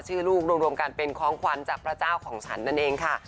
ชื่อลูกรวมกันเป็นของขวัญจากพระเจ้าของฉันนั่นเองค่ะ